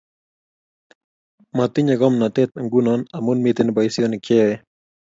Matinye komnatet nguno amu miten boisionik chayae